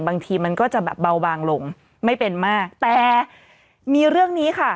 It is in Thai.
บางทีมันก็จะแบบเบาบางลงไม่เป็นมากแต่มีเรื่องนี้ค่ะ